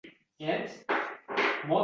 Falonchi musulmon ekan, deydi.